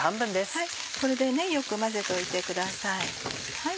これでよく混ぜといてください。